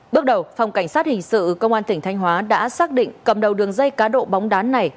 bước đầu phòng cảnh sát hình sự công an tỉnh thanh hóa đã xác định cầm đầu đường dây cá độ bóng đá này